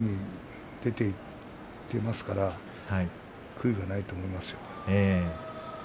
前に出ていっていますから悔いはないと思います。